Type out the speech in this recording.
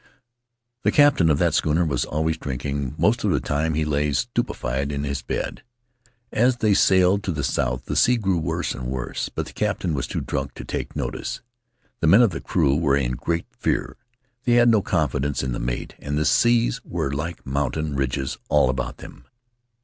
"The captain of that schooner was always drinking; most of the time he lay stupefied in his bed. As they sailed to the south the sea grew worse and worse, but the captain was too drunk to take notice. The men of the crew were in great fear; they had no confidence in the mate, and the seas were like mountain ridges all about them.